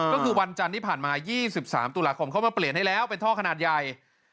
ก็คือวันจันทร์ที่ผ่านมา๒๓ตุลาคมเขามาเปลี่ยนให้แล้วเป็นท่อขนาดใหญ่